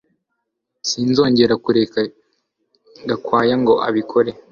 Sinzongera kureka Gakwaya ngo abikore